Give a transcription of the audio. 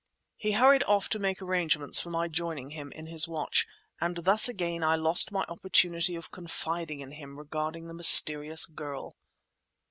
He hurried off to make arrangements for my joining him in his watch, and thus again I lost my opportunity of confiding in him regarding the mysterious girl.